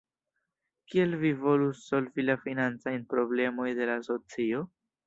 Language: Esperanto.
Kiel vi volus solvi la financajn problemoj de la asocio?